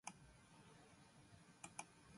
The original facility has been completely demolished.